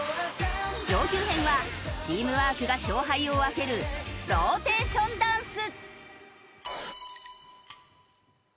上級編はチームワークが勝敗を分けるローテーションダンス。